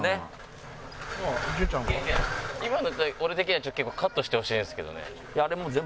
今の俺的には結構カットしてほしいんですけどね。